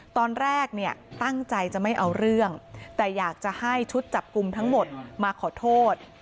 ตอนแรกเนี่ยตั้งใจจะไม่เอาเรื่องแต่อยากจะให้ชุดจับกลุ่มทั้งหมดมาขอโทษ